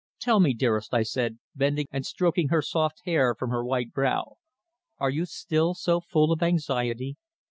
"Tell me, dearest," I said, bending and stroking her soft hair from her white brow. "Are you still so full of anxiety?